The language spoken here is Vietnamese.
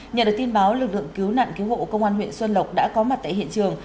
nhận được tin báo lực lượng cứu nạn cứu hộ công an huyện xuân lộc đã có mặt tại hiện trường